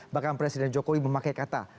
bahkan presiden jokowi memakai kata